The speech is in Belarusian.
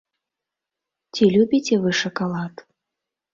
Ці любіце вы шакалад?